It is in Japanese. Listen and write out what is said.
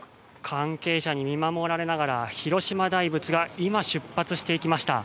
関係者に見守られながら広島大仏が今、出発していきました